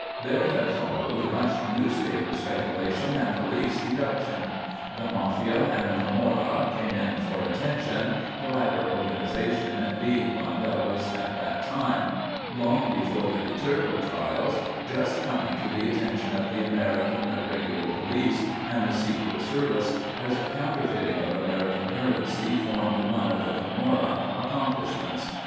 There had followed much newspaper speculation and police deduction. The Mafia and the Camorra came in for attention, the latter organisation being one that was at that time long before the Viterbo trials just coming to the attention of the American regular police and the secret service, as counterfeiting of American currency formed one of the Camorra accomplishments.